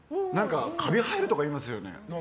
カビ生えるとかいいますよね。